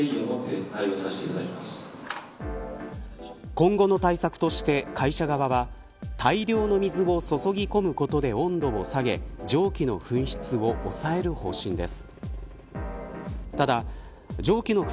今後の対策として会社側は大量の水を注ぎ込むことで温度を下げ蒸気の噴出を抑える方針です。